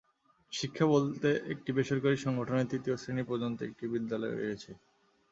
শিক্ষা বলতে একটি বেসরকারি সংগঠনের তৃতীয় শ্রেণি পর্যন্ত একটি বিদ্যালয় রয়েছে।